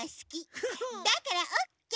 だからオッケー！